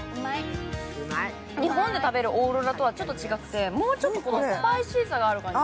日本で食べるオーロラとはちょっと違ってもうちょっとスパイシーさがある感じ。